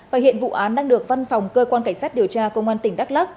và hiện vụ án đang được văn phòng cơ quan cảnh sát điều tra công an tỉnh đắk lắc